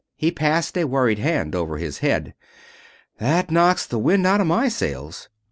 He passed a worried hand over his head. "That knocks the wind out of my sails."